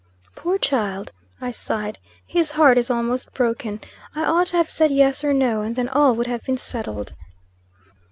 "Poor child!" I sighed. "His heart is almost broken. I ought to have said yes or no; and then all would have been settled."